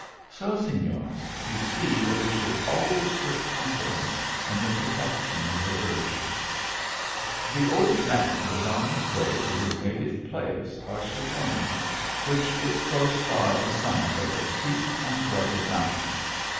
So, Signers, you see that we should always put confidence in the protection of the "Virgin." The old man was "on his way to his native place Archidona, which was close by the summit of a 22 THE ALHAMBEA. steep and rugged mountain.